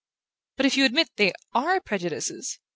"But if you admit that they ARE prejudices